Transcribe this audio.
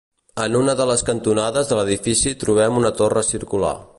En una de les cantonades de l'edifici trobem una torre circular.